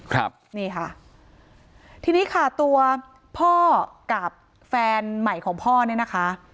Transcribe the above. ครับนี่ค่ะทีนี้ค่ะตัวพ่อกับแฟนใหม่ของพ่อเนี่ยนะคะ